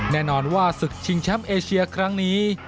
แน่นอนว่าศึกชิงแชมป์เอเชียครั้งนี้